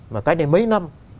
mà cách này mấy năm